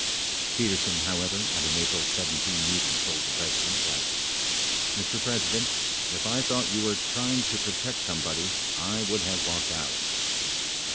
39 Petersen, however, at an April IT meeting told the President that : Mr. President, if I thought you were trying to protect somebody, I would have walked out.